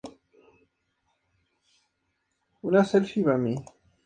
A lo largo de la Avenida Hipólito Yrigoyen pueden encontrarse varias pizzerías y heladerías.